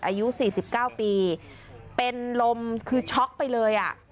อายุ๔๙ปีเป็นลมคือช็อกไปเลยอ่ะ